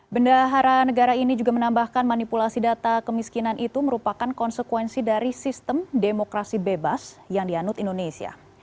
bendahara negara ini juga menambahkan manipulasi data kemiskinan itu merupakan konsekuensi dari sistem demokrasi bebas yang dianut indonesia